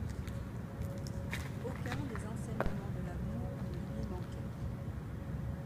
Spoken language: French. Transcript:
Aucun des enseignements de l’amour ne lui manquait.